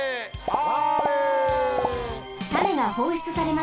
あ。